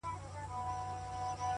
بریا له کوچنیو بریاوو پیلېږي’